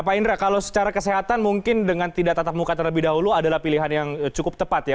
pak indra kalau secara kesehatan mungkin dengan tidak tatap muka terlebih dahulu adalah pilihan yang cukup tepat ya